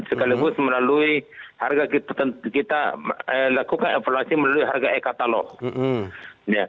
sekaligus melalui harga kita lakukan evaluasi melalui harga e katalog